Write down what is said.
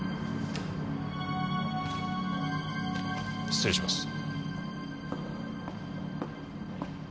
失礼します。